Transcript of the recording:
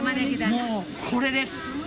もうこれです。